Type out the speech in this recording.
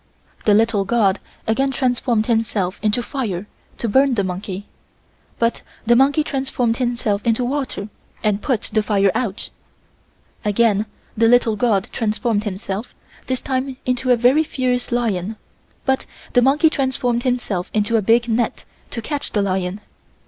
The little god again transformed himself into fire to burn the monkey, but the monkey transformed himself into water and put the fire out. Again the little god transformed himself, this time into a very fierce lion, but the monkey transformed himself into a big net to catch the lion.